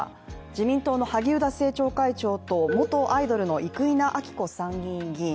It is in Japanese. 自民党の萩生田政調会長と元アイドルの生稲晃子参議院議員。